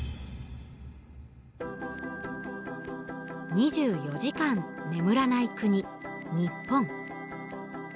２４時間眠らない国日本。